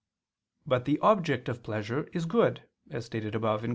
But the object of pleasure is good, as stated above (Q.